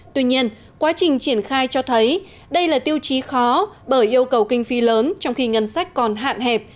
tuy nhiên quá trình triển khai cho thấy đây là tiêu chí khó bởi yêu cầu kinh phí lớn trong khi ngân sách còn hạn hẹp